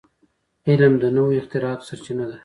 علم د نوو اختراعاتو سرچینه ده.